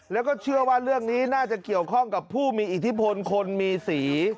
แล้วก็เชื่อว่าเรื่องนี้น่าจะเกี่ยวข้องกับผู้มีอิทธิพลคนมีสี